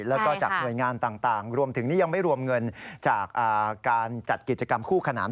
แล้วก็จากหน่วยงานต่างรวมถึงนี่ยังไม่รวมเงินจากการจัดกิจกรรมคู่ขนาน